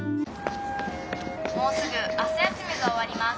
「もうすぐ朝休みがおわります。